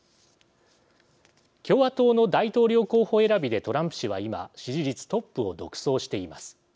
共和党の大統領候補選びでトランプ氏は今支持率トップを独走しています。